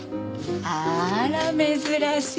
あら珍しい。